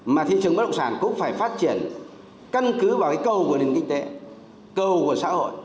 mà thị trường bất động sản cũng phải phát triển cân cứ vào câu của nền kinh tế câu của xã hội